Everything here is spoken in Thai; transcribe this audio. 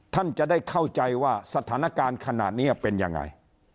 ท่านจะได้เข้าใจว่าสถานการณ์ขนาดนี้เป็นยังไง